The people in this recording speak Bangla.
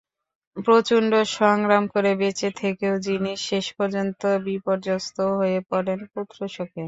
প্রচণ্ড সংগ্রাম করে বেঁচে থেকেও যিনি শেষ পর্যন্ত বিপর্যস্ত হয়ে পড়েন পুত্রশোকে।